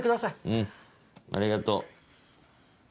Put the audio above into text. うんありがとう。